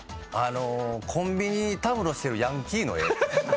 コンビニにたむろしてるヤンキーの絵。